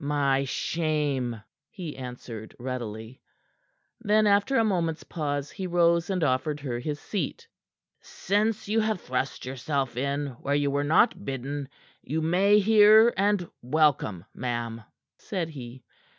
"My shame," he answered readily. Then after a moment's pause, he rose and offered her his seat. "Since you have thrust yourself in where you were not bidden, you may hear and welcome, ma'am," said he.